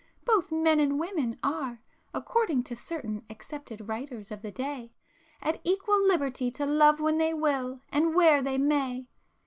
Both men and women are, according to certain accepted writers of the day, at equal liberty to love when they will, and where they may.